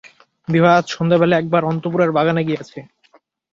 বিভা আজ সন্ধ্যাবেলায় একবার অন্তঃপুরের বাগানে গিয়াছে।